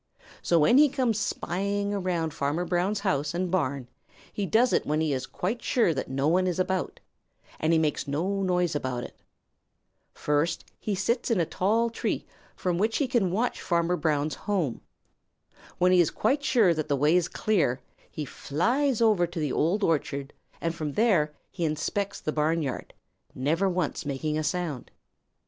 So when he comes spying around Farmer Brown's house and barn, he does it when he is quite sure that no one is about, and he makes no noise about it. First he sits in a tall tree from which he can watch Farmer Brown's home. When he is quite sure that the way is clear, he flies over to the Old Orchard, and from there he inspects the barnyard, never once making a sound.